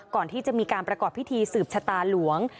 ก่อนที่จะมีการประกอบพิธีสืบชะตาหลวง